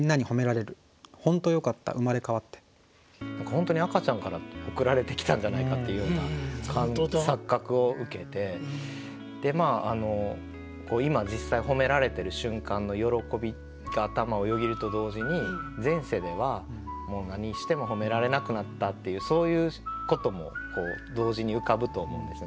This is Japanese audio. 本当に赤ちゃんから送られてきたんじゃないかっていうような錯覚を受けて今実際ほめられてる瞬間の喜びが頭をよぎると同時に前世では何してもほめられなくなったっていうそういうことも同時に浮かぶと思うんですね。